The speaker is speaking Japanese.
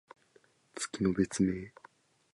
月の別名。